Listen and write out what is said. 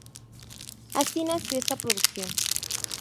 Así nació esta producción.